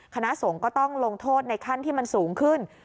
คณะสงฆ์ก็ต้องลงโทษในขั้นที่มันสูงขึ้น